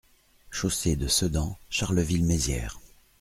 Chaussée de Sedan, Charleville-Mézières